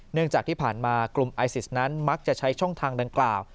เนื่องจากที่ผ่านมากลุ่มไอซิสนั้นมักจะใช้ช่องทางดังกล่าว